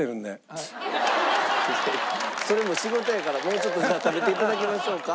それも仕事やからもうちょっとじゃあ食べて頂きましょうか。